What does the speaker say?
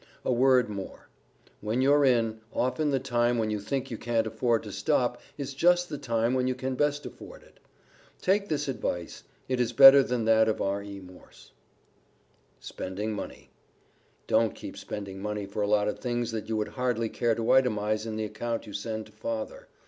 A word more: when you're in, often the time when you think you can't afford to stop is just the time when you can best afford it. Take this advice; it is better than that of R. E. Morse. [Sidenote: SPENDING MONEY] Don't keep spending money for a lot of things that you would hardly care to itemize in the account you send to Father.